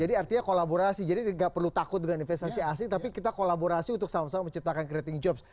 jadi artinya kolaborasi jadi gak perlu takut dengan investasi asing tapi kita kolaborasi untuk sama sama menciptakan creating jobs